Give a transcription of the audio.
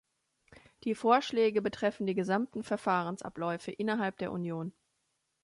Die Vorschläge betreffen die gesamten Verfahrensabläufe innerhalb der Union.